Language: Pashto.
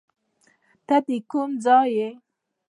ته د کم ځای یې